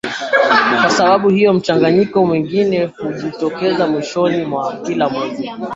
Kwa sababu hio mchanganyiko mwingine hujitokeza mwishoni mwa kila mwezi